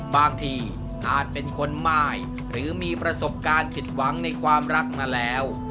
บางทีอาจเป็นคนม่ายหรือมีประสบการณ์ผิดหวังในความรักมาแล้ว